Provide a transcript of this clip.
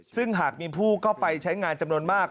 ซึ่งหากมีผู้เข้าไปใช้งานจำนวนมาก